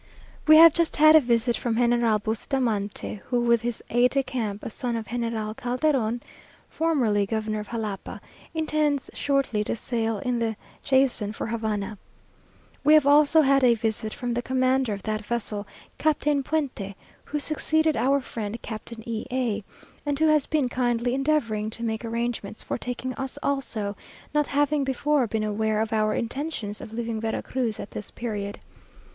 We have just had a visit from General Bustamante, who, with his aide de camp, a son of General Calderon (formerly governor of Jalapa), intends shortly to sail in the Jason for Havana. We have also had a visit from the commander of that vessel, Captain Puente, who succeeded our friend Captain E a; and who has been kindly endeavouring to make arrangements for taking us also, not having before been aware of our intentions of leaving Vera Cruz at this period.